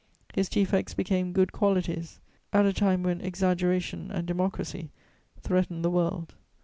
His defects became good qualities at a time when exaggeration and democracy threaten the world.